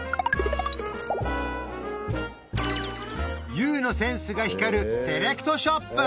ＹＯＵのセンスが光るセレクトショップ